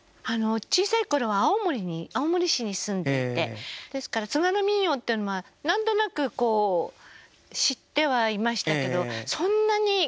小さいころは青森に青森市に住んでてですから津軽民謡っていうのを何となくこう知ってはいましたけどそんなに真剣に聴いてないっていうか。